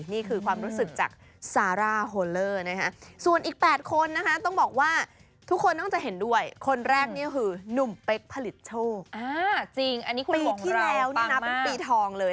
ปีที่แล้วนะเป็นปีทองเลย